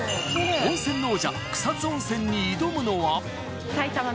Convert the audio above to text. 温泉の王者・草津温泉に挑むのは。